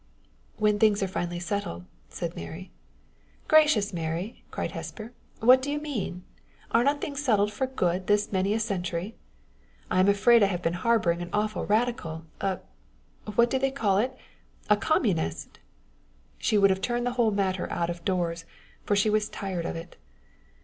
"When things are finally settled," said Mary "Gracious, Mary!" cried Hesper, "what do you mean? Are not things settled for good this many a century? I am afraid I have been harboring an awful radical! a what do they call it? a communist!" She would have turned the whole matter out of doors, for she was tired of it.